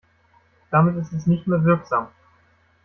Damit ist es nicht mehr wirksam.